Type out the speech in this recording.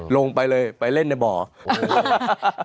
ลงไปเลยไปเล่นในบ่อ